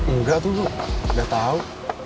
enggak tuh enggak tahu